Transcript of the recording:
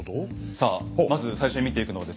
さあまず最初に見ていくのはですね